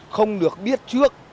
không được biết trước